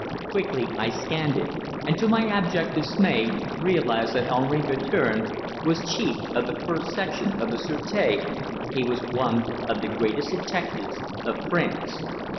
Quickly I scanned it, and, to my abject dismay, realized that Henri Guertin was chief of the first section of the sûreté he was one of the greatest detectives of France!